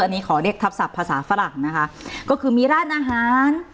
อันนี้ขอเรียกทับศัพท์ภาษาฝรั่งนะคะก็คือมีร้านอาหาร